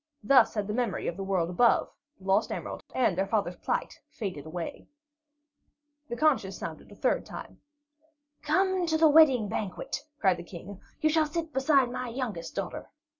Thus had the memory of the world above, the lost emerald, and their father's plight faded away. The conches sounded a third time. "Come to the wedding banquet," cried the King. "You shall sit beside my youngest daughter."